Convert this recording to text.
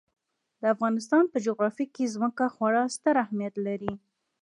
د افغانستان په جغرافیه کې ځمکه خورا ستر اهمیت لري.